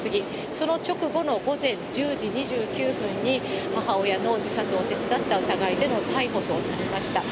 その直後の午前１０時２９分に、母親の自殺を手伝った疑いでの逮捕となりました。